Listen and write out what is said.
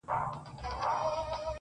چي مازیګر په ښایسته کیږي!!